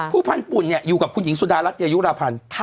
พันธุ์ปุ่นอยู่กับคุณหญิงสุดารัฐเกยุราพันธ์